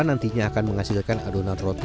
nantinya akan menghasilkan adonan roti